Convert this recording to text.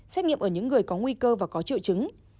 xét nghiệm ở những người có nguy cơ và có triệu chứng